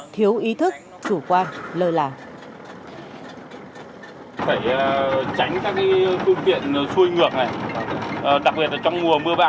thiếu ý thức chủ quan lời làm